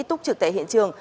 túc trực tại hiện trường